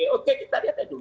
oke kita lihat ya dulu